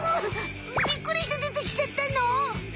びっくりしてでてきちゃったの？